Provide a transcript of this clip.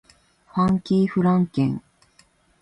ファンキーフランケン